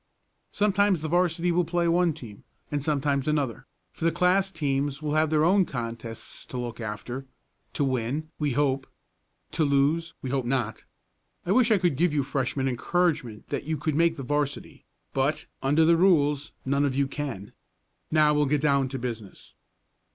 "Sometimes the 'varsity will play one team, and sometimes another, for the class teams will have their own contests to look after, to win, we hope; to lose, we hope not. I wish I could give you Freshmen encouragement that you could make the 'varsity, but, under the rules, none of you can. Now we'll get down to business."